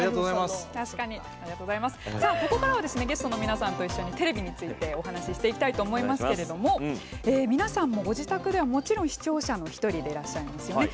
ここからはゲストの皆さんと一緒にテレビについてお話していきたいと思いますが皆さんもご自宅では、もちろん視聴者の一人ですよね。